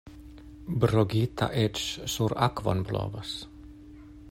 Brogita eĉ sur akvon blovas.